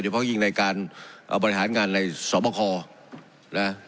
เดี๋ยวพ่อก็จะยิงในการเอาบริหารงานในสมคศ์แล้ว